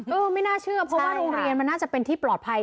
ไม่น่าเชื่อเพราะว่าโรงเรียนมันน่าจะเป็นที่ปลอดภัย